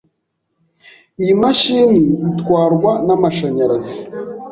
Iyi mashini itwarwa n amashanyarazi.